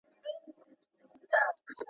یوه بل ته به زړه ورکړي بې وسواسه ,